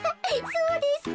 そうですか。